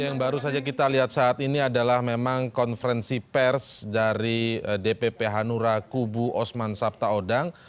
yang baru saja kita lihat saat ini adalah memang konferensi pers dari dpp hanura kubu osman sabtaodang